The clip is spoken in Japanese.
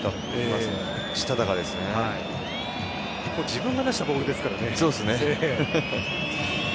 自分が出したボールですからね。